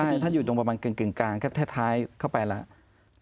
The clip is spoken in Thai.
ใช่ถ้าอยู่ตรงประมาณเกินกลางก็แท้เข้าไปแล้ว